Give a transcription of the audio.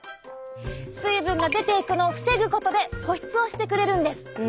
水分が出ていくのを防ぐことで保湿をしてくれるんです。